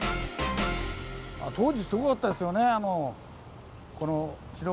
当時すごかったですよね。